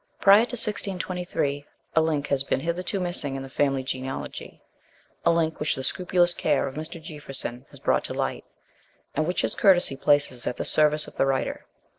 Prior to 1623, a link has been hitherto missing in the family genealogy a link which the scrupulous care of Mr. Jeaffreson has brought to light, and which his courtesy places at the service of the writer.